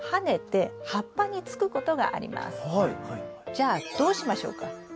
じゃあどうしましょうか？